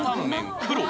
黒。